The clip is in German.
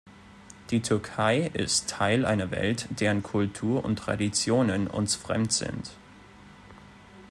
Die Türkei ist Teil einer Welt, deren Kultur und Traditionen uns fremd sind.